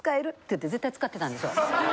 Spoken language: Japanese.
言って絶対使ってたんですよ。